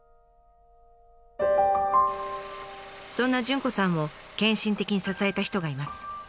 そんな潤子さんを献身的に支えた人がいます。